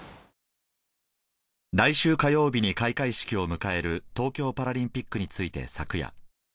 来週火曜日に開会式を迎える東京パラリンピックについて昨夜。